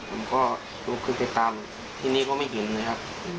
ผมก็ลุกขึ้นไปตามที่นี่ก็ไม่เห็นเลยครับ